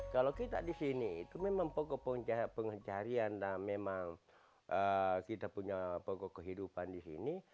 kalau kita di sini itu memang pokok pencarian dan memang kita punya pokok kehidupan di sini